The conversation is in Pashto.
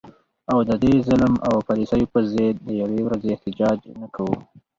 او د دې ظلم او پالیسو په ضد د یوې ورځي احتجاج نه کوو